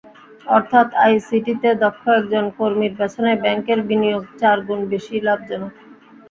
অর্থাৎ আইসিটিতে দক্ষ একজন কর্মীর পেছনে ব্যাংকের বিনিয়োগ চার গুণ বেশি লাভজনক।